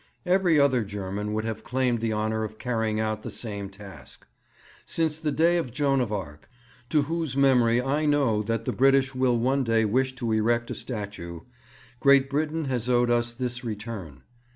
Every other German would have claimed the honour of carrying out the same task. Since the day of Joan of Arc, to whose memory I know that the British will one day wish to erect a statue, Great Britain has owed us this return.